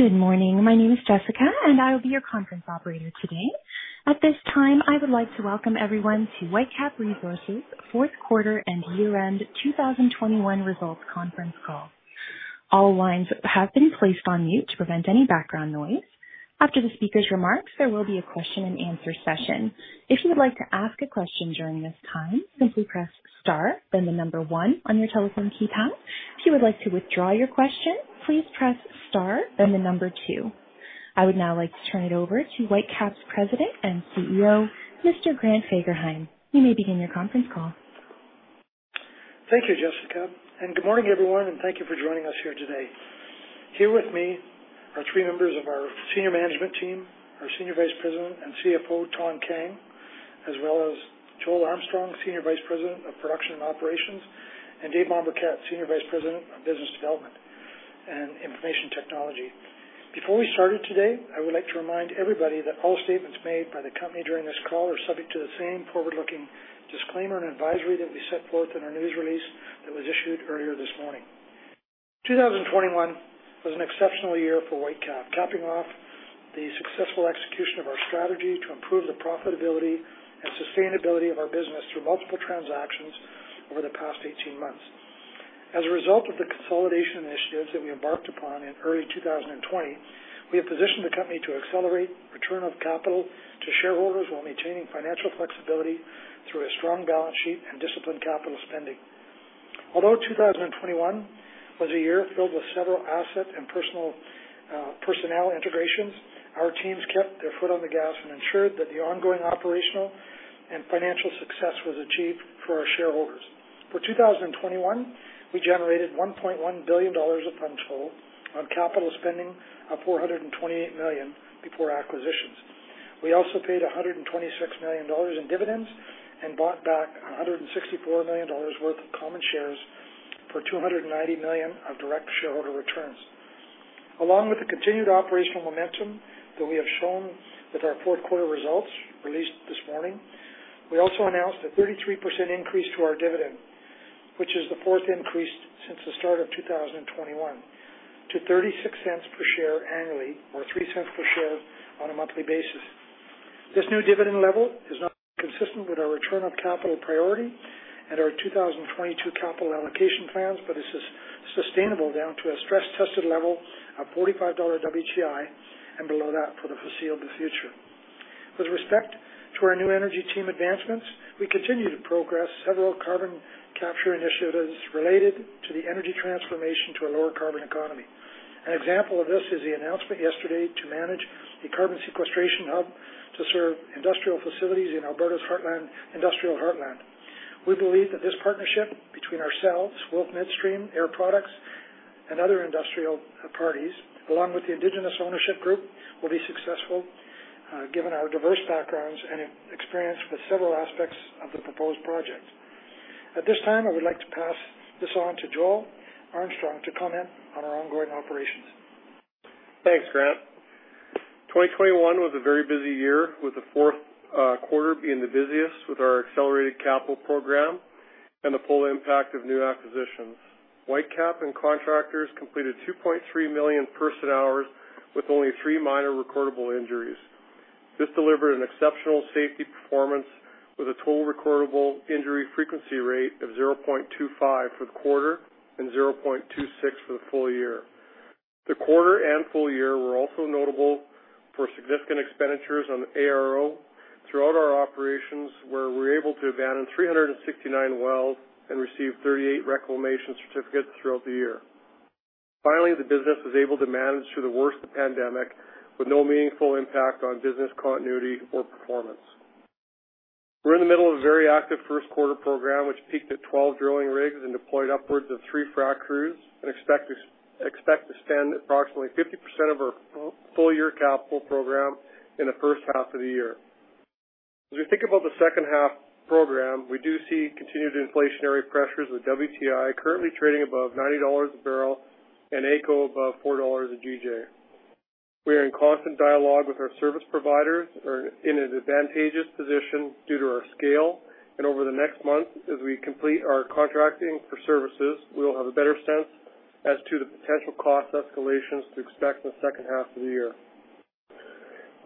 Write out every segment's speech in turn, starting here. Good morning. My name is Jessica, and I will be your conference operator today. At this time, I would like to welcome everyone to Whitecap Resources fourth quarter and year-end 2021 results conference call. All lines have been placed on mute to prevent any background noise. After the speaker's remarks, there will be a question-and-answer session. If you would like to ask a question during this time, simply press star, then the number one on your telephone keypad. If you would like to withdraw your question, please press star, then the number two. I would now like to turn it over to Whitecap's President and CEO, Mr. Grant Fagerheim. You may begin your conference call. Thank you, Jessica, and good morning, everyone, and thank you for joining us here today. Here with me are three members of our senior management team, our Senior Vice President and CFO, Thanh Kang, as well as Joel Armstrong, Senior Vice President of Production and Operations, and Dave Mombourquette, Senior Vice President of Business Development and Information Technology. Before we start it today, I would like to remind everybody that all statements made by the company during this call are subject to the same forward-looking disclaimer and advisory that we set forth in our news release that was issued earlier this morning. 2021 was an exceptional year for Whitecap, capping off the successful execution of our strategy to improve the profitability and sustainability of our business through multiple transactions over the past 18 months. As a result of the consolidation initiatives that we embarked upon in early 2020, we have positioned the company to accelerate return of capital to shareholders while maintaining financial flexibility through a strong balance sheet and disciplined capital spending. Although 2021 was a year filled with several asset and personnel integrations, our teams kept their foot on the gas and ensured that the ongoing operational and financial success was achieved for our shareholders. For 2021, we generated 1.1 billion dollars of funds flow on capital spending of 428 million before acquisitions. We also paid 126 million dollars in dividends and bought back 164 million dollars worth of common shares for 290 million of direct shareholder returns. Along with the continued operational momentum that we have shown with our fourth quarter results released this morning, we also announced a 33% increase to our dividend, which is the fourth increase since the start of 2021, to 0.36 per share annually or 0.03 per share on a monthly basis. This new dividend level is not consistent with our return of capital priority and our 2022 capital allocation plans, but this is sustainable down to a stress-tested level of $45 WTI and below that for the foreseeable future. With respect to our new energy team advancements, we continue to progress several carbon capture initiatives related to the energy transformation to a lower carbon economy. An example of this is the announcement yesterday to manage the carbon sequestration hub to serve industrial facilities in Alberta's Industrial Heartland. We believe that this partnership between ourselves, Wolf Midstream, Air Products, and other industrial parties, along with the indigenous ownership group, will be successful, given our diverse backgrounds and experience with several aspects of the proposed project. At this time, I would like to pass this on to Joel Armstrong to comment on our ongoing operations. Thanks, Grant. 2021 was a very busy year, with the fourth quarter being the busiest with our accelerated capital program and the full impact of new acquisitions. Whitecap and contractors completed 2.3 million person-hours with only 3 minor recordable injuries. This delivered an exceptional safety performance with a total recordable injury frequency rate of 0.25 for the quarter and 0.26 for the full year. The quarter and full year were also notable for significant expenditures on ARO throughout our operations, where we're able to abandon 369 wells and receive 38 reclamation certificates throughout the year. Finally, the business was able to manage through the worst pandemic with no meaningful impact on business continuity or performance. We're in the middle of a very active first quarter program, which peaked at 12 drilling rigs and deployed upwards of 3 frac crews and expect to spend approximately 50% of our full year capital program in the first half of the year. As we think about the second half program, we do see continued inflationary pressures with WTI currently trading above $90 a barrel and AECO above 4 dollars a GJ. We are in constant dialogue with our service providers and in an advantageous position due to our scale. Over the next month, as we complete our contracting for services, we will have a better sense as to the potential cost escalations to expect in the second half of the year.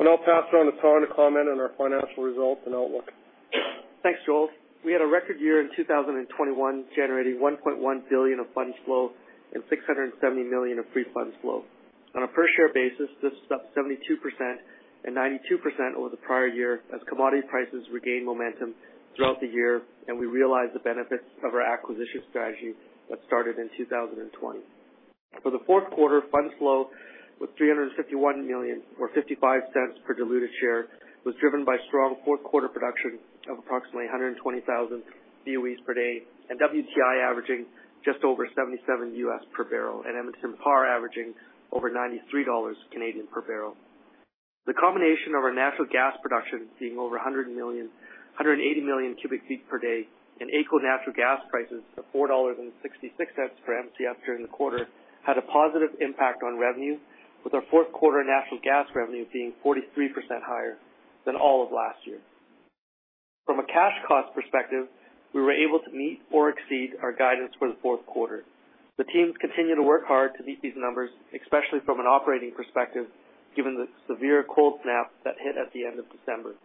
I'll pass it on to Tom to comment on our financial results and outlook. Thanks, Joel. We had a record year in 2021, generating 1.1 billion of funds flow and 670 million of free funds flow. On a per share basis, this is up 72% and 92% over the prior year as commodity prices regained momentum throughout the year, and we realized the benefits of our acquisition strategy that started in 2020. For the fourth quarter, funds flow was 351 million or 0.55 per diluted share, driven by strong fourth quarter production of approximately 120,000 BOE per day and WTI averaging just over $77 US per barrel and Edmonton Par averaging over 93 Canadian dollars per barrel. The combination of our natural gas production being over 100 million, 180 million cubic feet per day and AECO natural gas prices of 4.66 dollars per Mcf during the quarter had a positive impact on revenue with our fourth quarter natural gas revenue being 43% higher than all of last year. From a cash cost perspective, we were able to meet or exceed our guidance for the fourth quarter. The teams continue to work hard to beat these numbers, especially from an operating perspective, given the severe cold snap that hit at the end of December.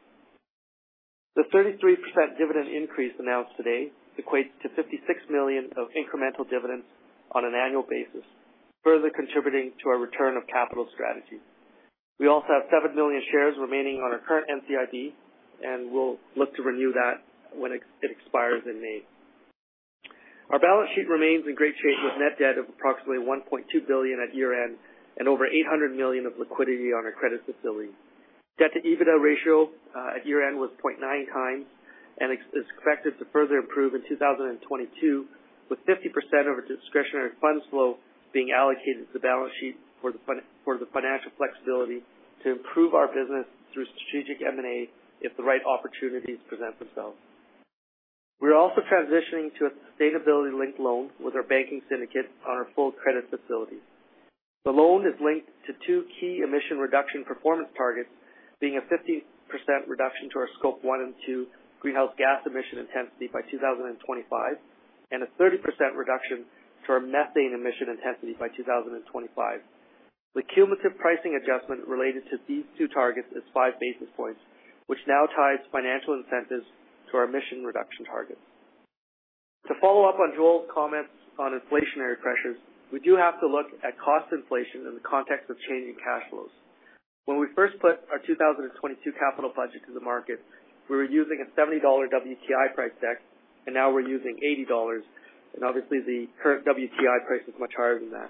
The 33% dividend increase announced today equates to 56 million of incremental dividends on an annual basis, further contributing to our return of capital strategy. We also have 7 million shares remaining on our current NCIB, and we'll look to renew that when it expires in May. Our balance sheet remains in great shape with net debt of approximately 1.2 billion at year-end and over 800 million of liquidity on our credit facility. Debt to EBITDA ratio at year-end was 0.9 times and is expected to further improve in 2022, with 50% of our discretionary funds flow being allocated to the balance sheet for the financial flexibility to improve our business through strategic M&A if the right opportunities present themselves. We're also transitioning to a sustainability-linked loan with our banking syndicate on our full credit facility. The loan is linked to two key emission reduction performance targets, being a 50% reduction to our Scope 1 and 2 greenhouse gas emission intensity by 2025, and a 30% reduction to our methane emission intensity by 2025. The cumulative pricing adjustment related to these two targets is five basis points, which now ties financial incentives to our emission reduction targets. To follow up on Joel's comments on inflationary pressures, we do have to look at cost inflation in the context of changing cash flows. When we first put our 2022 capital budget to the market, we were using a $70 WTI price deck, and now we're using $80, and obviously, the current WTI price is much higher than that.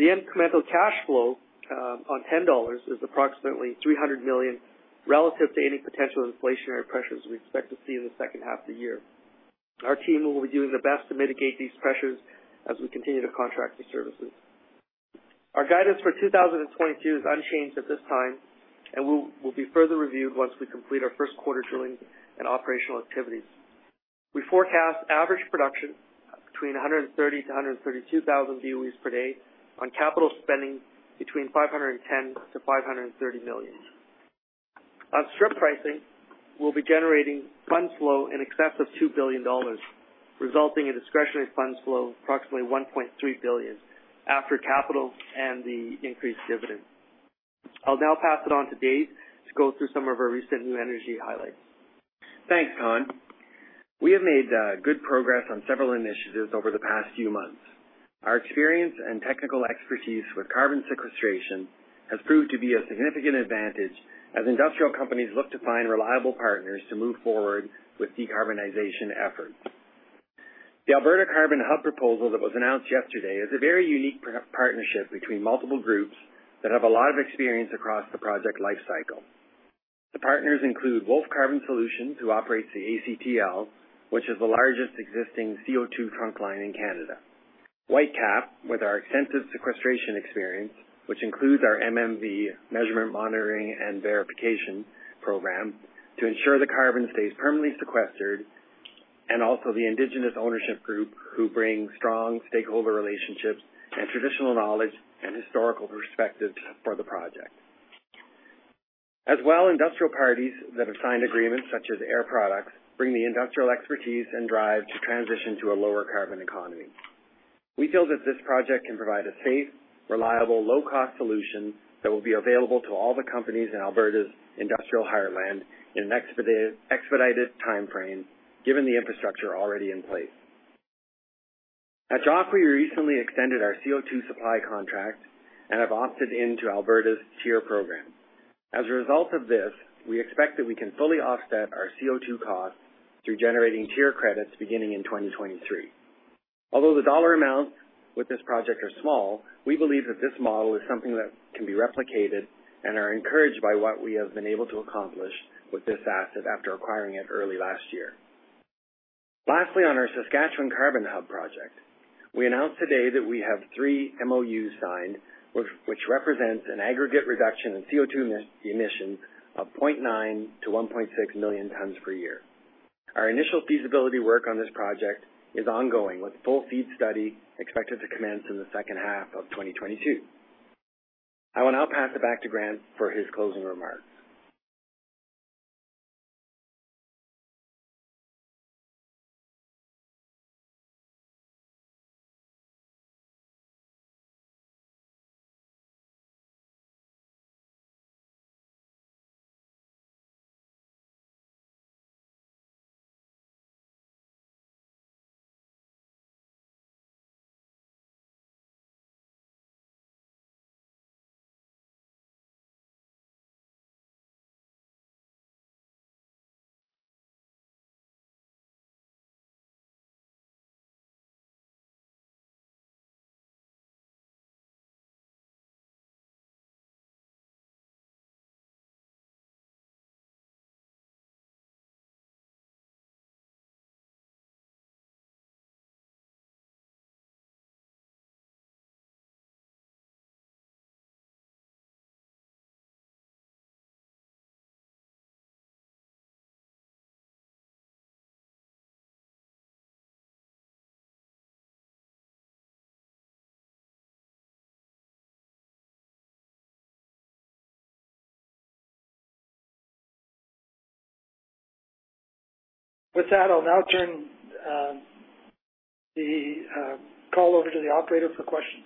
The incremental cash flow on $10 is approximately 300 million relative to any potential inflationary pressures we expect to see in the second half of the year. Our team will be doing their best to mitigate these pressures as we continue to contract the services. Our guidance for 2022 is unchanged at this time and will be further reviewed once we complete our first quarter drillings and operational activities. We forecast average production between 130-132 thousand BOE per day on capital spending between 510-530 million. On strip pricing, we'll be generating funds flow in excess of 2 billion dollars, resulting in discretionary funds flow of approximately 1.3 billion after capital and the increased dividend. I'll now pass it on to Dave to go through some of our recent new energy highlights. Thanks, Thanh. We have made good progress on several initiatives over the past few months. Our experience and technical expertise with carbon sequestration has proved to be a significant advantage as industrial companies look to find reliable partners to move forward with decarbonization efforts. The Alberta Carbon Hub proposal that was announced yesterday is a very unique partnership between multiple groups that have a lot of experience across the project life cycle. The partners include Wolf Carbon Solutions, who operates the ACTL, which is the largest existing CO2 trunk line in Canada. Whitecap, with our extensive sequestration experience, which includes our MMV, Measurement Monitoring and Verification program, to ensure the carbon stays permanently sequestered, and also the indigenous ownership group who bring strong stakeholder relationships and traditional knowledge and historical perspectives for the project. As well, industrial parties that have signed agreements such as Air Products bring the industrial expertise and drive to transition to a lower carbon economy. We feel that this project can provide a safe, reliable, low-cost solution that will be available to all the companies in Alberta's Industrial Heartland in an expedited timeframe, given the infrastructure already in place. At Joffre, we recently extended our CO2 supply contract and have opted into Alberta's TIER program. As a result of this, we expect that we can fully offset our CO2 costs through generating TIER credits beginning in 2023. Although the dollar amounts with this project are small, we believe that this model is something that can be replicated and are encouraged by what we have been able to accomplish with this asset after acquiring it early last year. Lastly, on our Saskatchewan Carbon Hub project, we announced today that we have 3 MOUs signed, which represents an aggregate reduction in CO2 emissions of 0.9-1.6 million tons per year. Our initial feasibility work on this project is ongoing, with full FEED study expected to commence in the second half of 2022. I will now pass it back to Grant for his closing remarks. With that, I'll now turn the call over to the operator for questions.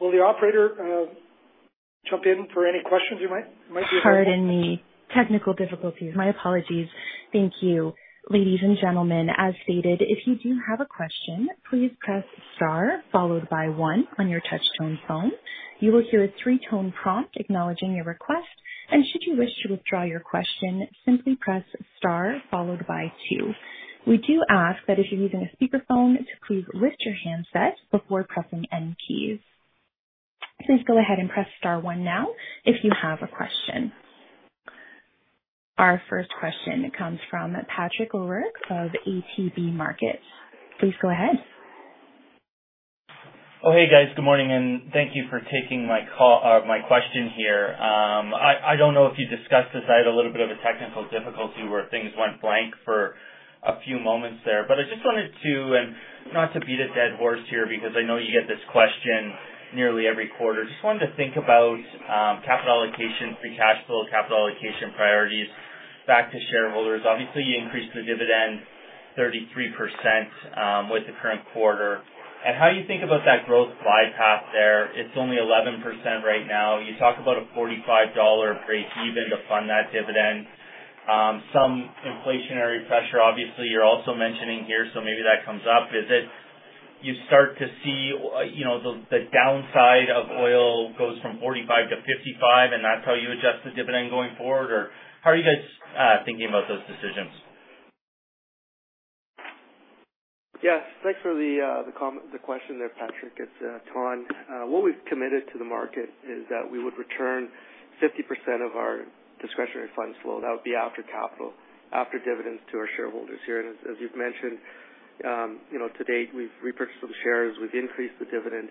Will the operator jump in for any questions it might be helpful. Pardon me. Technical difficulties. My apologies. Thank you. Ladies and gentlemen, as stated, if you do have a question, please press star followed by one on your touchtone phone. You will hear a three-tone prompt acknowledging your request, and should you wish to withdraw your question, simply press star followed by two. We do ask that if you're using a speakerphone to please lift your handset before pressing any keys. Please go ahead and press star one now if you have a question. Our first question comes from Patrick O'Rourke of ATB Capital Markets. Please go ahead. Oh, hey, guys. Good morning, and thank you for taking my call, my question here. I don't know if you discussed this. I had a little bit of a technical difficulty where things went blank for a few moments there. I just wanted to, and not to beat a dead horse here because I know you get this question nearly every quarter. Just wanted to think about, capital allocation, free cash flow, capital allocation priorities back to shareholders. Obviously, you increased the dividend 33% with the current quarter. How do you think about that growth buyback there? It's only 11% right now. You talk about a $45 breakeven to fund that dividend. Some inflationary pressure obviously you're also mentioning here, so maybe that comes up. Is it you start to see, you know, the downside of oil goes from $45-$55, and that's how you adjust the dividend going forward? Or how are you guys thinking about those decisions? Yes. Thanks for the question there, Patrick. It's Thanh. What we've committed to the market is that we would return 50% of our discretionary funds flow, that would be after capital, after dividends to our shareholders here. As you've mentioned, you know, to date, we've repurchased some shares. We've increased the dividend.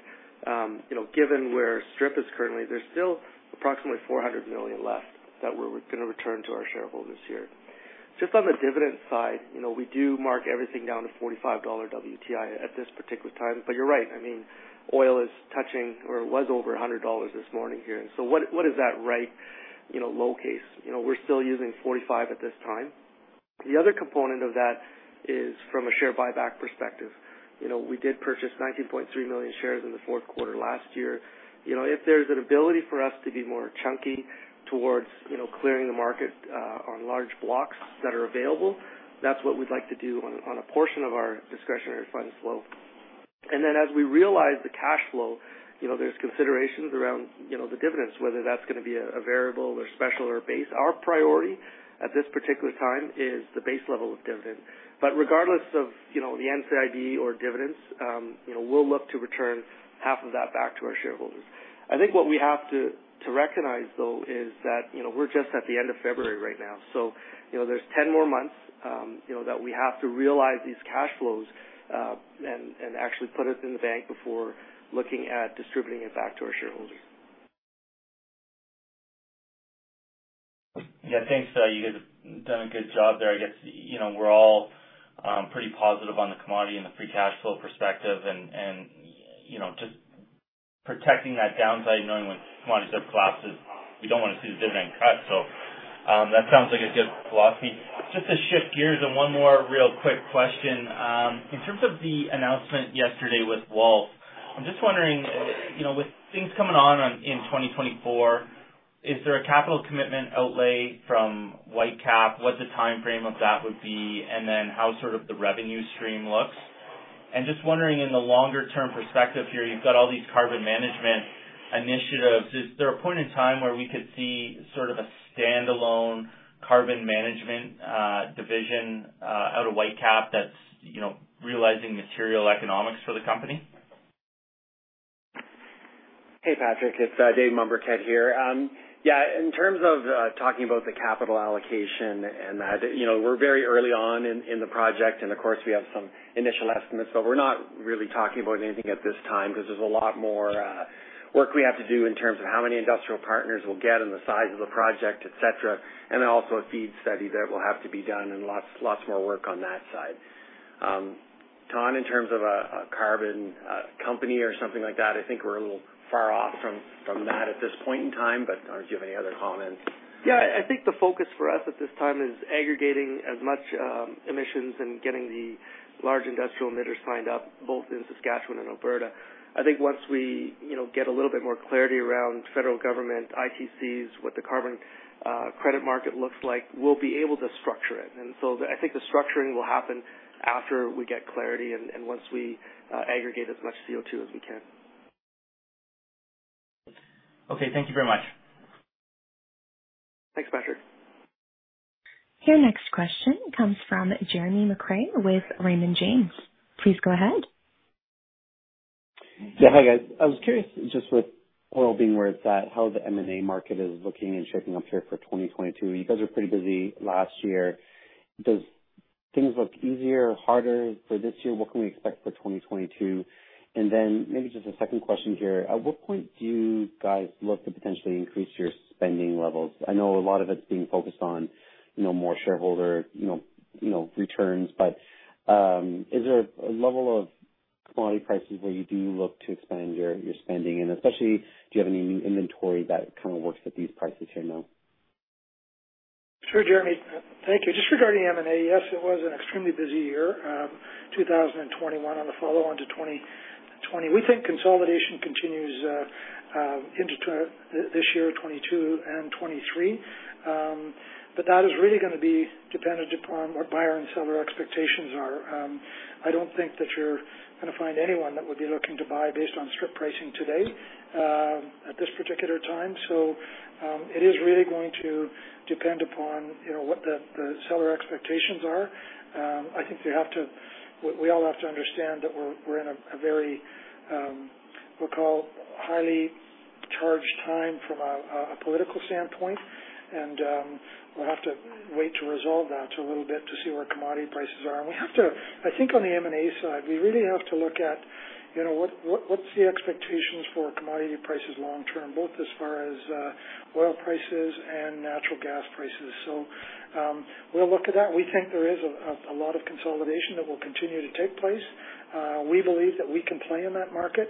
You know, given where strip is currently, there's still approximately 400 million left that we're gonna return to our shareholders here. Just on the dividend side, you know, we do mark everything down to $45 WTI at this particular time. You're right. I mean, oil is touching or was over $100 this morning here. What is that right, you know, low case? You know, we're still using $45 at this time. The other component of that is from a share buyback perspective. You know, we did purchase 19.3 million shares in the fourth quarter last year. You know, if there's an ability for us to be more chunky towards, you know, clearing the market, on large blocks that are available, that's what we'd like to do on a portion of our discretionary funds flow. As we realize the cash flow, you know, there's considerations around, you know, the dividends, whether that's gonna be a variable or special or base. Our priority at this particular time is the base level of dividend. Regardless of, you know, the NCIB or dividends, you know, we'll look to return half of that back to our shareholders. I think what we have to recognize, though, is that, you know, we're just at the end of February right now, so, you know, there's 10 more months, you know, that we have to realize these cash flows, and actually put it in the bank before looking at distributing it back to our shareholders. Yeah. Thanks. You guys have done a good job there. I guess, you know, we're all pretty positive on the commodity and the free cash flow perspective and, you know, just protecting that downside, knowing when commodity collapses, we don't wanna see the dividend cut. That sounds like a good philosophy. Just to shift gears on one more real quick question. In terms of the announcement yesterday with Wolf, I'm just wondering, you know, with things coming on in 2024, is there a capital commitment outlay from Whitecap? What the timeframe of that would be? And then how sort of the revenue stream looks? And just wondering in the longer-term perspective here, you've got all these carbon management initiatives. Is there a point in time where we could see sort of a standalone carbon management division out of Whitecap that's, you know, realizing material economics for the company? Hey, Patrick. It's Dave Mombourquette here. Yeah, in terms of talking about the capital allocation and that, you know, we're very early on in the project, and of course, we have some initial estimates. We're not really talking about anything at this time 'cause there's a lot more work we have to do in terms of how many industrial partners we'll get and the size of the project, et cetera. Then also a FEED study that will have to be done and lots more work on that side. Tahn, in terms of a carbon company or something like that, I think we're a little far off from that at this point in time, but do you have any other comments? Yeah. I think the focus for us at this time is aggregating as much emissions and getting the large industrial emitters signed up both in Saskatchewan and Alberta. I think once we, you know, get a little bit more clarity around federal government ITCs, what the carbon credit market looks like, we'll be able to structure it. I think the structuring will happen after we get clarity and once we aggregate as much CO2 as we can. Okay. Thank you very much. Thanks, Patrick. Your next question comes from Jeremy McCrea with Raymond James. Please go ahead. Yeah. Hi, guys. I was curious just with oil being where it's at, how the M&A market is looking and shaping up here for 2022. You guys were pretty busy last year. Does things look easier or harder for this year? What can we expect for 2022? Maybe just a second question here. At what point do you guys look to potentially increase your spending levels? I know a lot of it's being focused on, you know, more shareholder, you know, returns. Is there a level of commodity prices where you do look to expand your spending? And especially, do you have any new inventory that kind of works at these prices here now? Sure, Jeremy. Thank you. Just regarding M&A, yes, it was an extremely busy year, 2021 on the follow-on to 2020. We think consolidation continues into this year, 2022 and 2023. But that is really gonna be dependent upon what buyer and seller expectations are. I don't think that you're gonna find anyone that would be looking to buy based on strip pricing today at this particular time. It is really going to depend upon, you know, what the seller expectations are. I think we all have to understand that we're in a very, we'll call highly charged time from a political standpoint. We'll have to wait to resolve that a little bit to see where commodity prices are. We have to, I think on the M&A side, we really have to look at, you know, what's the expectations for commodity prices long term, both as far as oil prices and natural gas prices. We'll look at that. We think there is a lot of consolidation that will continue to take place. We believe that we can play in that market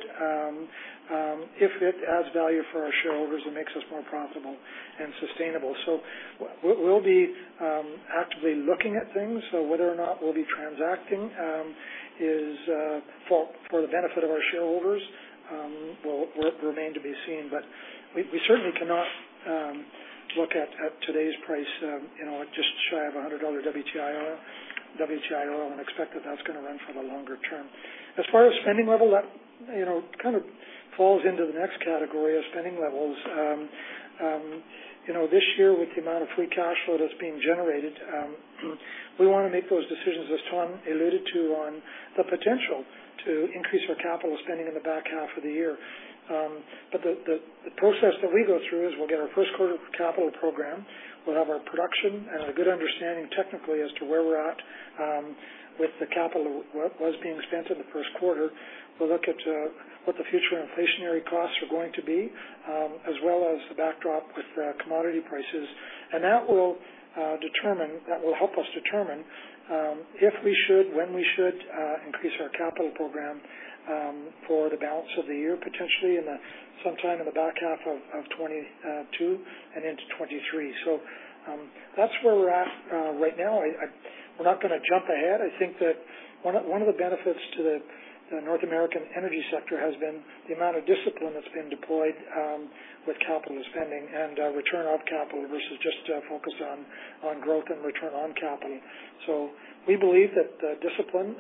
if it adds value for our shareholders and makes us more profitable and sustainable. We'll be actively looking at things. Whether or not we'll be transacting is for the benefit of our shareholders. It will remain to be seen. We certainly cannot look at today's price, you know, just shy of $100 WTI oil and expect that that's gonna run for the longer term. As far as spending level, that you know kind of falls into the next category of spending levels. This year with the amount of free cash flow that's being generated, we wanna make those decisions, as Tom alluded to, on the potential to increase our capital spending in the back half of the year. The process that we go through is we'll get our first quarter capital program. We'll have our production and a good understanding technically as to where we're at, with the capital was being spent in the first quarter. We'll look at what the future inflationary costs are going to be, as well as the backdrop with commodity prices. That will help us determine if we should, when we should, increase our capital program for the balance of the year, potentially sometime in the back half of 2022 and into 2023. That's where we're at right now. We're not gonna jump ahead. I think that one of the benefits to the North American energy sector has been the amount of discipline that's been deployed with capital spending and return on capital versus just focus on growth and return on capital. We believe that discipline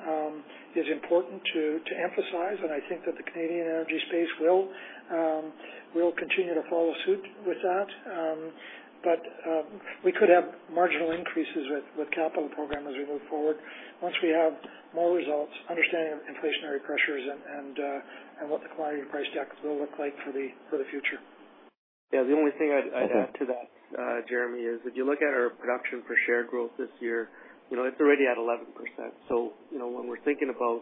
is important to emphasize, and I think that the Canadian energy space will continue to follow suit with that. But we could have marginal increases with capital program as we move forward once we have more results, understanding of inflationary pressures and what the commodity price deck will look like for the future. Yeah. The only thing I'd add to that, Jeremy, is if you look at our production per share growth this year, you know, it's already at 11%. You know, when we're thinking about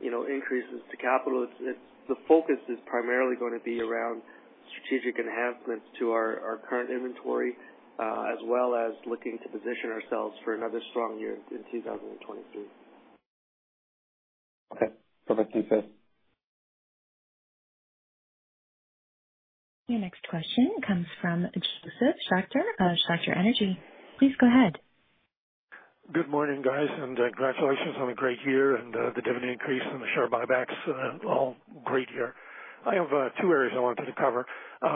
increases to capital, it's the focus is primarily gonna be around strategic enhancements to our current inventory, as well as looking to position ourselves for another strong year in 2023. Okay. Perfect. Thanks, guys. Your next question comes from Josef Schachter of Schachter Energy. Please go ahead. Good morning, guys, and congratulations on a great year and the dividend increase and the share buybacks, all great here. I have two areas I wanted to cover.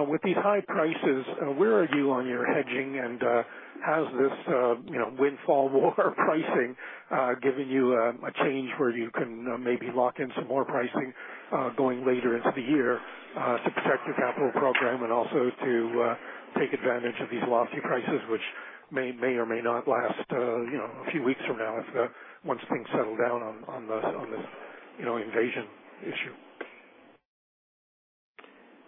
With these high prices, where are you on your hedging? Has this, you know, windfall war pricing given you a change where you can maybe lock in some more pricing going later into the year to protect your capital program and also to take advantage of these lofty prices which may or may not last, you know, a few weeks from now if once things settle down on the invasion issue?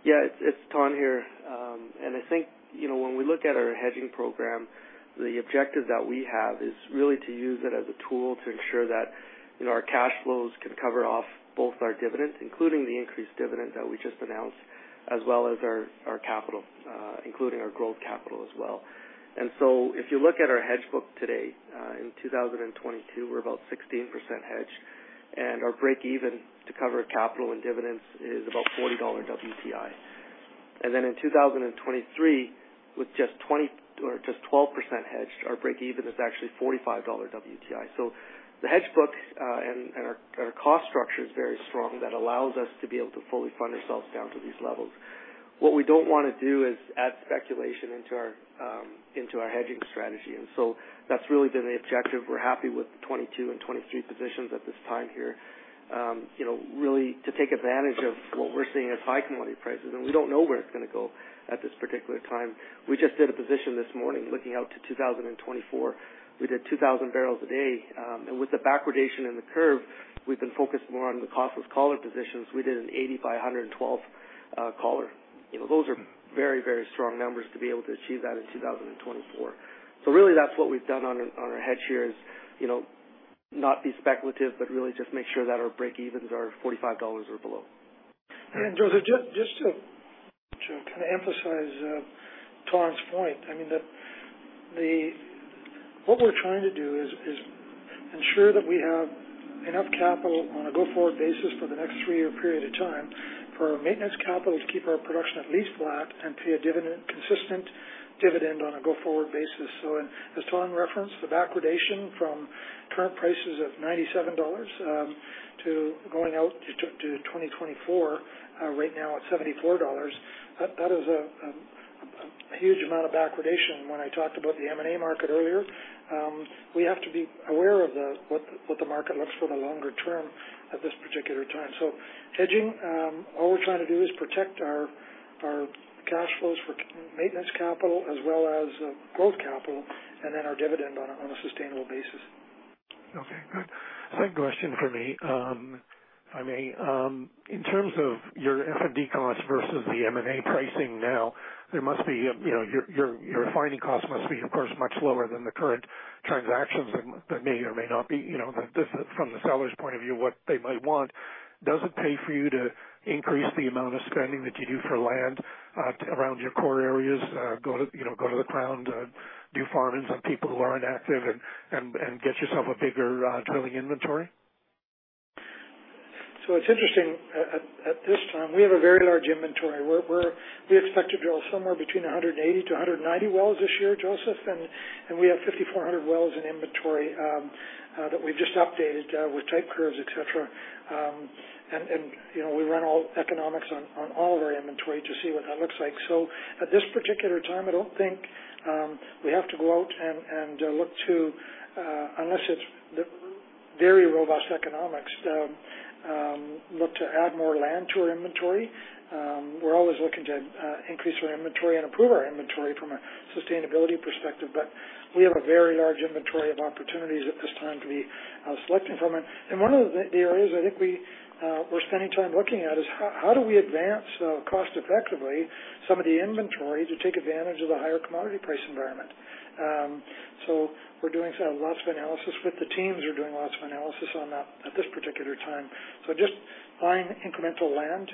Yeah. It's Thanh Kang here. I think, you know, when we look at our hedging program, the objective that we have is really to use it as a tool to ensure that, you know, our cash flows can cover off both our dividends, including the increased dividend that we just announced, as well as our capital, including our growth capital as well. If you look at our hedge book today, in 2022, we're about 16% hedged, and our break even to cover capital and dividends is about $40 WTI. In 2023, with just 12% hedged, our break even is actually $45 WTI. The hedge book and our cost structure is very strong. That allows us to be able to fully fund ourselves down to these levels. What we don't wanna do is add speculation into our hedging strategy. That's really been the objective. We're happy with the 2022 and 2023 positions at this time here. You know, really to take advantage of what we're seeing as high commodity prices. We don't know where it's gonna go at this particular time. We just did a position this morning looking out to 2024. We did 2,000 barrels a day. And with the backwardation in the curve, we've been focused more on the costless collar positions. We did an 85-112 collar. You know, those are very, very strong numbers to be able to achieve that in 2024. Really that's what we've done on our hedge here is, you know, not be speculative, but really just make sure that our breakevens are $45 or below. Josef, just to kinda emphasize, Thanh's point, I mean, what we're trying to do is ensure that we have enough capital on a go-forward basis for the next three-year period of time for our maintenance capital to keep our production at least flat and pay a consistent dividend on a go-forward basis. As Thanh referenced, the backwardation from current prices of $97 to going out to 2024 right now at $74, that is a huge amount of backwardation. When I talked about the M&A market earlier, we have to be aware of what the market looks for the longer term at this particular time. Hedging, all we're trying to do is protect our cash flows for maintenance capital as well as growth capital, and then our dividend on a sustainable basis. Okay. Good. Second question for me, if I may. In terms of your F&D costs versus the M&A pricing now, there must be, you know, your refining costs must be, of course, much lower than the current transactions that may or may not be, you know, from the seller's point of view, what they might want. Does it pay for you to increase the amount of spending that you do for land, around your core areas, go to the ground, do farm-ins on people who are inactive and get yourself a bigger drilling inventory? It's interesting. At this time, we have a very large inventory. We expect to drill somewhere between 180-190 wells this year, Josef. We have 5,400 wells in inventory that we've just updated with type curves, et cetera. You know, we run all economics on all of our inventory to see what that looks like. At this particular time, I don't think we have to go out and look to, unless it's the very robust economics, look to add more land to our inventory. We're always looking to increase our inventory and improve our inventory from a sustainability perspective, but we have a very large inventory of opportunities at this time to be selecting from. One of the areas I think we're spending time looking at is how do we advance cost effectively some of the inventory to take advantage of the higher commodity price environment. We're doing lots of analysis with the teams. We're doing lots of analysis on that at this particular time. Just buying incremental land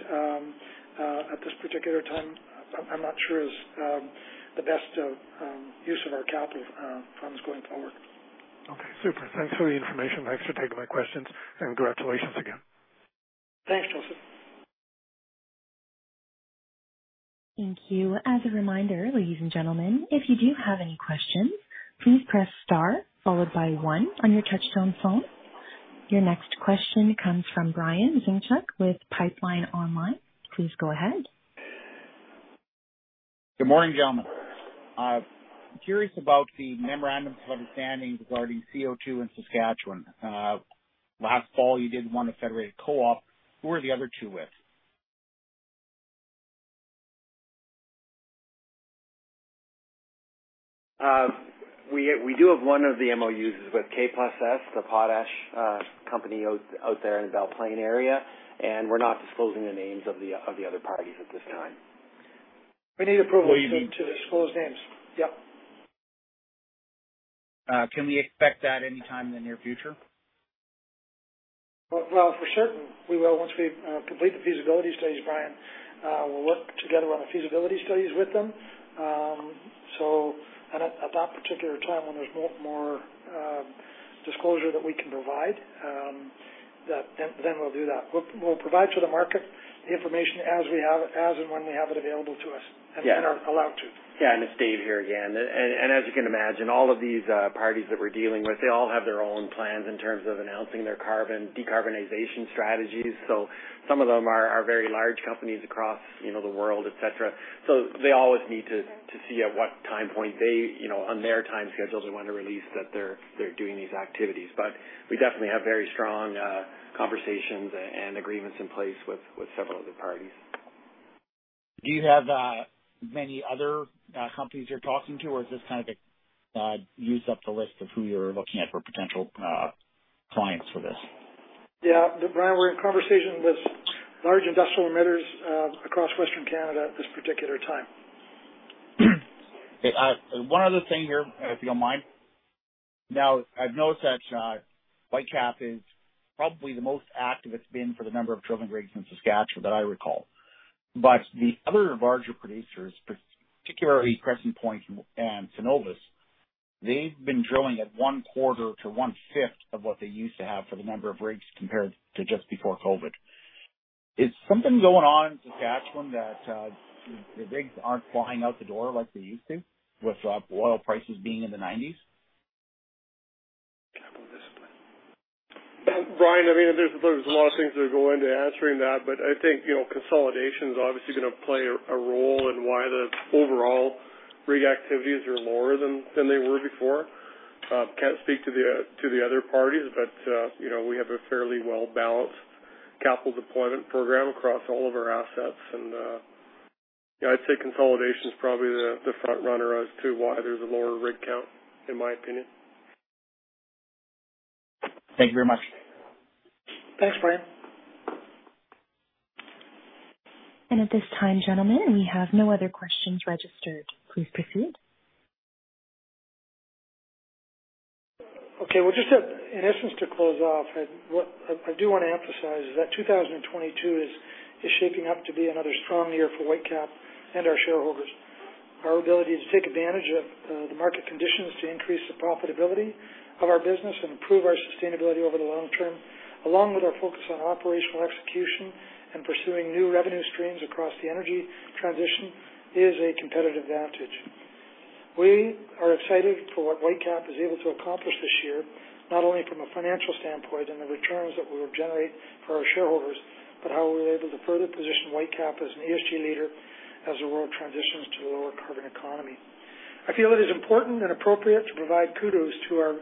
at this particular time, I'm not sure is the best use of our capital funds going forward. Okay. Super. Thanks for the information. Thanks for taking my questions, and congratulations again. Thanks, Josef. Thank you. As a reminder, ladies and gentlemen, if you do have any questions, please press star followed by one on your touchtone phone. Your next question comes from Brian Zinchuk with Pipeline Online. Please go ahead. Good morning, gentlemen. I'm curious about the memorandums of understanding regarding CO2 in Saskatchewan. Last fall, you did one with Federated Co-op. Who are the other two with? We do have one of the MOUs with K+S, the potash company out there in the Belle Plaine area, and we're not disclosing the names of the other parties at this time. We need approval to disclose names. Yep. Can we expect that any time in the near future? Well, for certain, we will once we complete the feasibility studies, Brian. We'll work together on the feasibility studies with them. At that particular time when there's more disclosure that we can provide, then we'll do that. We'll provide to the market the information as and when we have it available to us. Yeah. are allowed to. It's Dave here again. As you can imagine, all of these parties that we're dealing with, they all have their own plans in terms of announcing their decarbonization strategies. Some of them are very large companies across the world, et cetera. They always need to see at what time point they, you know, on their time schedules, they wanna release that they're doing these activities. But we definitely have very strong conversations and agreements in place with several of the parties. Do you have many other companies you're talking to, or is this kind of a use up the list of who you're looking at for potential clients for this? Yeah. Brian, we're in conversation with large industrial emitters, across Western Canada at this particular time. Okay. One other thing here, if you don't mind. Now, I've noticed that Whitecap is probably the most active it's been for the number of drilling rigs in Saskatchewan that I recall. The other larger producers, particularly Crescent Point and Cenovus, they've been drilling at one quarter to one-fifth of what they used to have for the number of rigs compared to just before COVID. Is something going on in Saskatchewan that the rigs aren't flying out the door like they used to with oil prices being in the $90s? Capital discipline. Brian, I mean, there's a lot of things that go into answering that, but I think, you know, consolidation's obviously gonna play a role in why the overall rig activities are lower than they were before. Can't speak to the other parties, but you know, we have a fairly well-balanced capital deployment program across all of our assets. Yeah, I'd say consolidation is probably the front runner as to why there's a lower rig count, in my opinion. Thank you very much. Thanks, Brian. At this time, gentlemen, we have no other questions registered. Please proceed. Okay. Well, just in essence to close off, what I do wanna emphasize is that 2022 is shaping up to be another strong year for Whitecap and our shareholders. Our ability to take advantage of the market conditions to increase the profitability of our business and improve our sustainability over the long term, along with our focus on operational execution and pursuing new revenue streams across the energy transition, is a competitive advantage. We are excited for what Whitecap is able to accomplish this year, not only from a financial standpoint and the returns that we will generate for our shareholders, but how we're able to further position Whitecap as an ESG leader as the world transitions to a lower carbon economy. I feel it is important and appropriate to provide kudos to our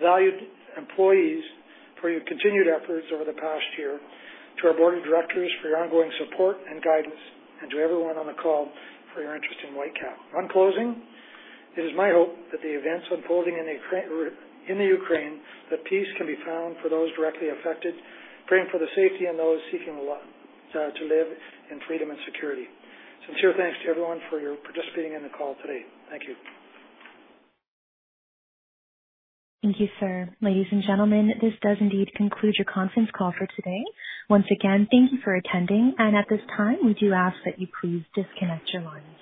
valued employees for your continued efforts over the past year, to our board of directors for your ongoing support and guidance, and to everyone on the call for your interest in Whitecap. On closing, it is my hope that the events unfolding in the Ukraine, that peace can be found for those directly affected, praying for the safety and those seeking a lot to live in freedom and security. Sincere thanks to everyone for your participating in the call today. Thank you. Thank you, sir. Ladies and gentlemen, this does indeed conclude your conference call for today. Once again, thank you for attending, and at this time, we do ask that you please disconnect your lines.